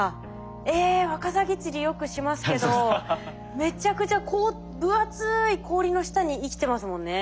えワカサギ釣りよくしますけどめちゃくちゃ分厚い氷の下に生きてますもんね。